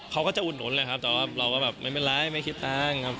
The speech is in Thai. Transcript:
เขาก็จะอุดหนุนเลยครับแต่ว่าเราก็แบบไม่เป็นไรไม่คิดตังค์ครับ